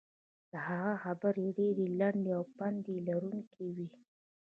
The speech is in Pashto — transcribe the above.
د هغه خبرې ډېرې لنډې او پند لرونکې وې.